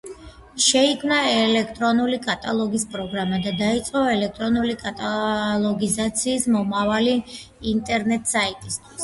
შეიქმნა ელექტრონული კატალოგის პროგრამა და დაიწყო ელექტრონული კატალოგიზაცია მომავალი ინტერნეტ–საიტისთვის.